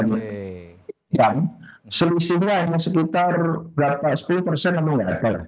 dan selisihnya sekitar berapa sepuluh itu enggak ada